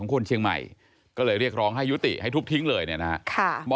เขาก็เรียกกันแบบนี้นะครับ